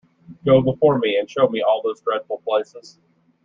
Go before me and show me all those dreadful places.